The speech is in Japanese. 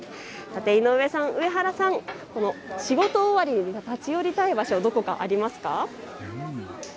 井上さん、上原さん、仕事終わりに立ち寄りたい場所、どこかありますか。